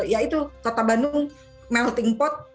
ya itu kota bandung melting pot